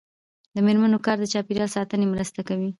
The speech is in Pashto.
د میرمنو کار د چاپیریال ساتنې مرسته کوي.